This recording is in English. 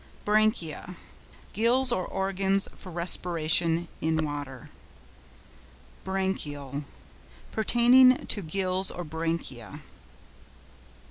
BRANCHIÆ.—Gills or organs for respiration in water. BRANCHIAL.—Pertaining to gills or branchiæ.